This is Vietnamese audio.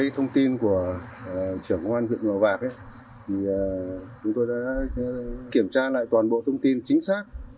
thì chúng tôi đã kiểm tra lại toàn bộ thông tin chính xác